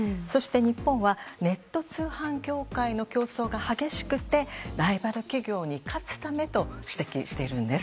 日本はネット通販業界の競争が激しくてライバル企業に勝つためと指摘しているんです。